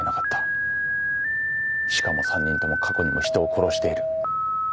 しかも３人とも過去にも人を殺している。